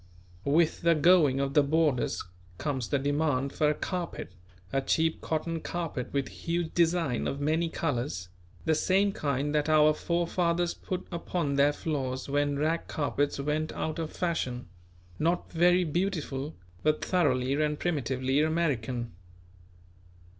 With the going of the boarders comes the demand for a carpet; a cheap cotton carpet with huge design of many colours, the same kind that our forefathers put upon their floors when rag carpets went out of fashion; not very beautiful; but thoroughly and primitively American.